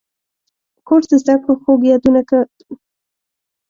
کورس د زده کړو خوږ یادونه ده.